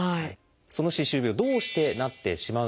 その歯周病どうしてなってしまうのか？